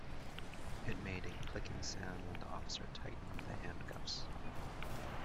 It made a clicking sound when the officer tightened the handcuffs.